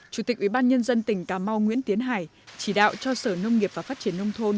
chủ tịch ubnd tỉnh cà mau nguyễn tiến hải chỉ đạo cho sở nông nghiệp và phát triển nông thôn